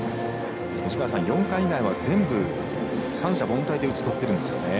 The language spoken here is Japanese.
藤川さん、４回以外は全部三者凡退で打ち取ってるんですね。